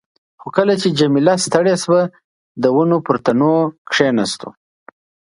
خو کله چې جميله ستړې شوه، د ونو پر تنو کښېناستو.